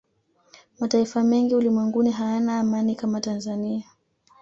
mataifa mengi ulimwenguni hayana amani kama tanzania